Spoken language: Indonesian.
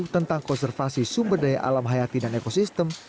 tentang konservasi sumber daya alam hayati dan ekosistem